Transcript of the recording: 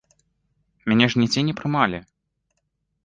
Мяне ж нідзе не прымалі!